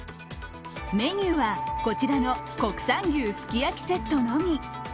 メニューはこちらの国産牛すき焼セットのみ。